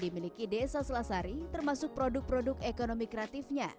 dimiliki desa selasari termasuk produk produk ekonomi kreatifnya